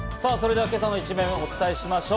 今朝の一面をお伝えしましょう。